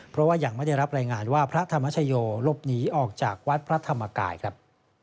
เพราะว่ายังไม่ได้รับรายงานว่าพระธรรมชโยหลบหนีออกจากวัดพระธรรมกายครับ